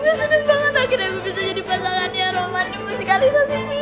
gue seneng banget akhirnya gue bisa jadi pasangannya roman di musikalisasi visi